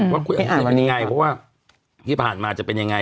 ว่าคุณเอาจริงมันยังไงเพราะว่าที่ผ่านมาจะเป็นยังไง